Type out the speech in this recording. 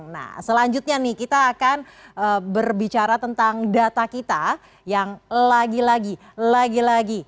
nah selanjutnya nih kita akan berbicara tentang data kita yang lagi lagi lagi